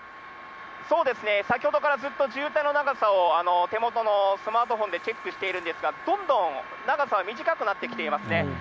そうですね、先ほどからずっと渋滞の長さを手元のスマートフォンでチェックしているんですが、どんどん長さは短くなってきていますね。